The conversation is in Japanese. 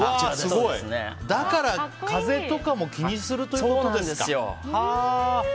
だから、風とかも気にするということですか。